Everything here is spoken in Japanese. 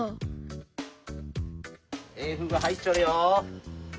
ええふぐ入っちょるよ。